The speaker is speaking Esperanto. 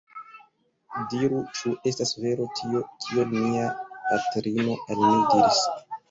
Diru, ĉu estas vero tio, kion mia patrino al mi diris?